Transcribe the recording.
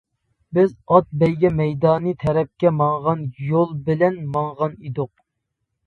بىز ئات بەيگە مەيدانى تەرەپكە ماڭغان يول بىلەن ماڭغان ئىدۇق.